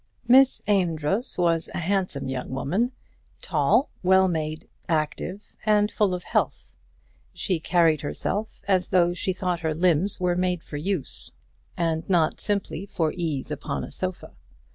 Miss Amedroz was a handsome young woman, tall, well made, active, and full of health. She carried herself as though she thought her limbs were made for use, and not simply for ease upon a sofa.